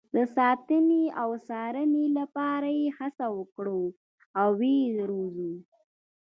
د ساتنې او څارنې لپاره یې هڅه وکړو او ویې روزو.